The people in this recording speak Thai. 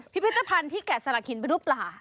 พิพิธภัณฑ์ที่แกะสลักหินเป็นรูปปลา